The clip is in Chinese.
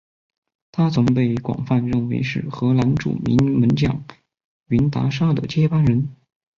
他曾被广泛认为是荷兰著名门将云达沙的接班人。